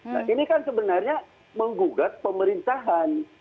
nah ini kan sebenarnya menggugat pemerintahan